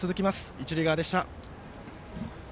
一塁側でした。